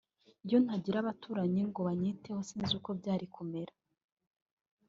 iyo ntagira abaturanyi ngo banyiteho sinzi uko byari kumera